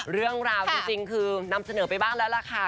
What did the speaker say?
เรื่องราวจริงคือนำเสนอไปบ้างแล้วล่ะค่ะ